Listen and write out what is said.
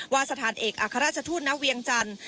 ว่าสถานเอกอาคาราชทูตน้ำเวียงจันทร